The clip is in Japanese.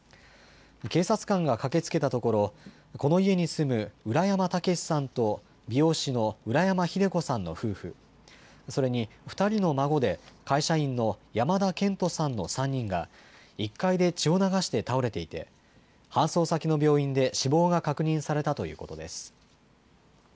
警察官が駆けつけたところこの家に住む浦山毅さんと美容師の浦山秀子さんの夫婦、それに２人の孫で会社員の山田健人さんの３人が１階で血を流して倒れていて搬送先の病院で死亡が確認されたということです。